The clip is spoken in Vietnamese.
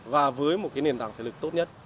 và với một cái nền tảng thể lực tốt nhất